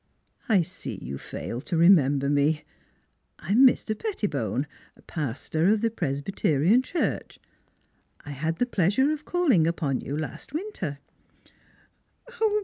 " I see you fail to remember me I am Mr. Pettibone, pastor of the Presbyterian Church. I had the pleasure of calling upon you last winter."